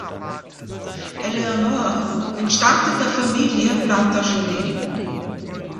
Eleonore entstammte der Familie Plantagenet.